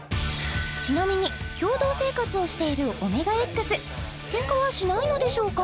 ちなみに共同生活をしているＯＭＥＧＡＸケンカはしないのでしょうか？